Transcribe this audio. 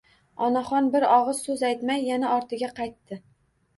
Onaxon bir ogʻiz soʻz aytmay, yana ortiga qaytdi